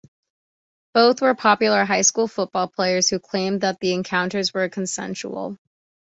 Both were popular high school football players, who claimed that the encounters were consensual.